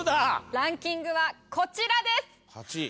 ランキングはこちらです。